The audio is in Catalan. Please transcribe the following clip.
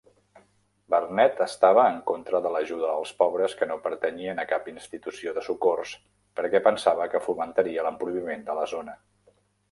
Barnett estava en contra de l'ajuda als pobres que no pertanyien a cap institució de socors, perquè pensava que fomentaria l'empobriment de la zona.